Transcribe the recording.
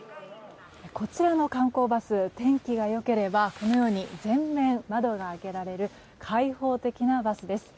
こちらの観光バス天気が良ければこのように全面窓が開けられる開放的なバスです。